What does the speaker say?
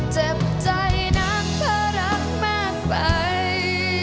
เจ็บใจนักเพราะรักมากไป